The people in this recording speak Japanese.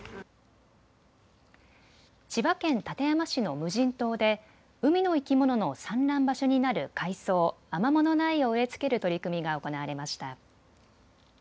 千葉県館山市の無人島で海の生き物の産卵場所になる海草、アマモの苗を植え付ける取り組みが行われました。